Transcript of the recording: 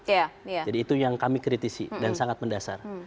ya jadi itu yang kami kritisi dan sangat mendasar